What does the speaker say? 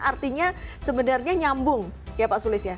artinya sebenarnya nyambung ya pak sulis ya